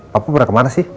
papa pernah kemana sih